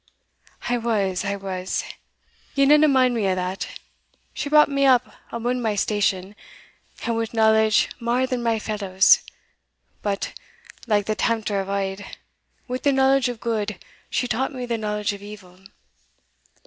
"I was, I was, ye needna mind me o' that. She brought me up abune my station, and wi' knowledge mair than my fellows but, like the tempter of auld, wi' the knowledge of gude she taught me the knowledge of evil."